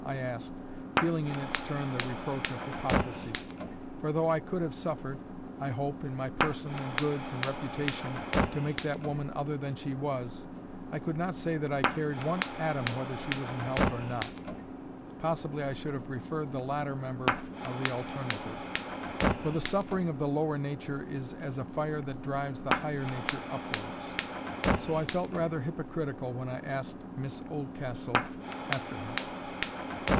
I asked, feeling in its turn the reproach of hypocrisy; for though I could have suffered, I hope, in my person and goods and reputation, to make that woman other than she was, I could not say that I cared one atom whether she was in health or not. Possibly I should have preferred the latter member of the alternative; for the suffering of the lower nature is as a fire that drives the higher nature upwards. So I felt rather hypocritical when I asked Miss Oldcastle after her.